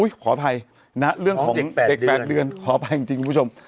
อุ๊ยขอภัยน่ะเรื่องของเด็กแปดเดือนขอภัยจริงจริงผู้ชม